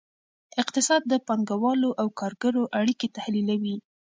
اقتصاد د پانګوالو او کارګرو اړیکې تحلیلوي.